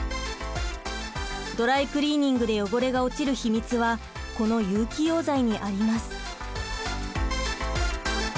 ドライクリーニングで汚れが落ちる秘密はこの有機溶剤にあります。